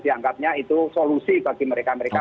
dianggapnya itu solusi bagi mereka mereka